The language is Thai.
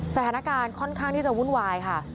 สถานการณ์ค่อนข้างที่จะวุ่นวายค่ะ